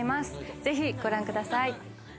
ぜひご覧ください。